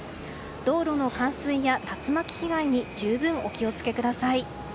道路の冠水や竜巻被害に十分お気を付けください。